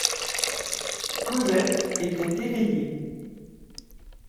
Cosette était éveillée.